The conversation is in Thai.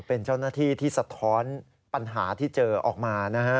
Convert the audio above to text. เป็นเจ้าหน้าที่ที่สะท้อนปัญหาที่เจอออกมานะฮะ